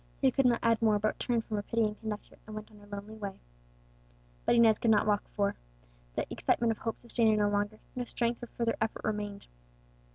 She could not add more, but turned from her pitying conductor and went on her lonely way. But Inez could not walk far. The excitement of hope sustained her no longer, no strength for further effort remained.